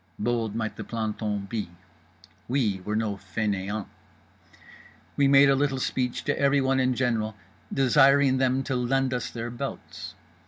Bold might the planton be; we were no fainéants. We made a little speech to everyone in general desiring them to lend us their belts.